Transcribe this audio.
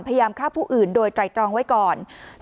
พยายามฆ่าผู้อื่นโดยไตรตรองไว้ก่อน